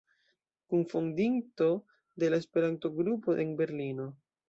Kunfondinto de la Esperanto-Grupo en Berlino.